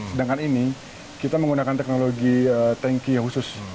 sedangkan ini kita menggunakan teknologi tanki khusus